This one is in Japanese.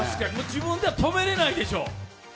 自分では止めれないでしょう。